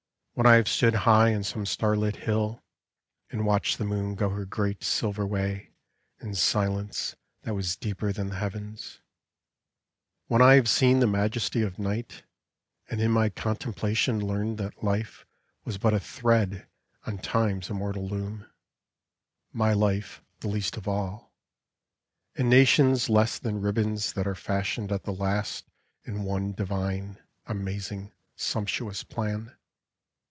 When I have stood high on some starlit hill, And watched the moon go her great silver way In silence that was deeper than the heavens; When I have seen the majesty of night, And in my contemplation learned that life Was but a thread on Time's immortal loom, (My life the least of all), and nations less Than ribbons that are fashioned at the last In one divine, amazing, sumptuous plan.